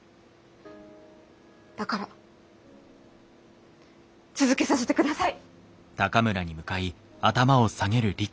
だから続けさせてください！